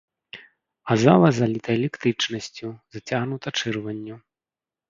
А зала заліта электрычнасцю, зацягнута чырванню.